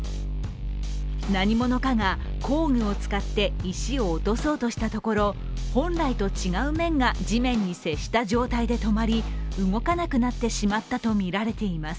何者かが工具を使って石を落とそうとしたところ、本来と違う面が地面に接した状態で止まり動かなくなってしまったとみられています。